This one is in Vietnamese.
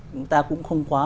chúng ta cũng không quá